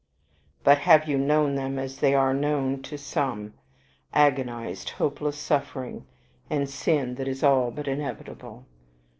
"But have you known them as they are known to some, agonized, hopeless suffering, and sin that is all but inevitable?